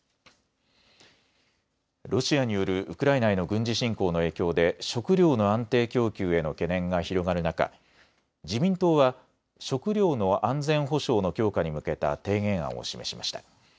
ロシアによるウクライナへの軍事侵攻の影響で食料の安定供給への懸念が広がる中、自民党は食料の安全保障の強化に向けた提言案を示しました。